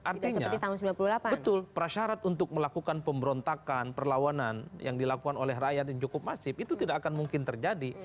artinya betul prasyarat untuk melakukan pemberontakan perlawanan yang dilakukan oleh rakyat yang cukup masif itu tidak akan mungkin terjadi